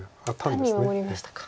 単に守りましたか。